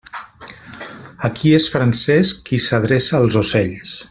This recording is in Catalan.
Aquí és Francesc qui s'adreça als ocells.